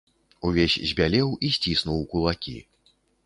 Увесь збялеў і сціснуў кулакі.